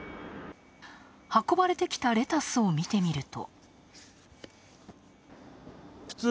運ばれてきたレタスを見てみると。